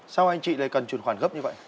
sau anh chị lại cần chuyển khoản gấp như vậy